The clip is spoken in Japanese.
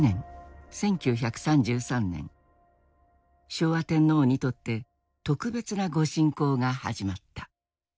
昭和天皇にとって特別な御進講が始まった。